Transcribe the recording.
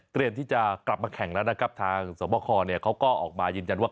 ที่จะกลับมาแข่งแล้วนะครับทางสวบคเนี่ยเขาก็ออกมายืนยันว่า